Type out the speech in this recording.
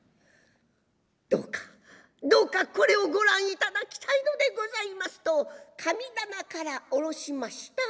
「どうかどうかこれをご覧いただきたいのでございます」と神棚から下ろしました